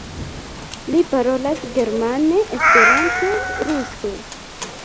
Li parolas germane, Esperante, ruse.